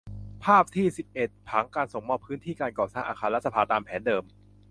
ภาพที่ สิบเอ็ด ผังการส่งมอบพื้นที่การก่อสร้างอาคารรัฐสภาตามแผนเดิม